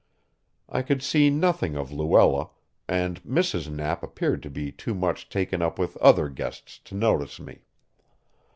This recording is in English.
I could see nothing of Luella, and Mrs. Knapp appeared to be too much taken up with other guests to notice me.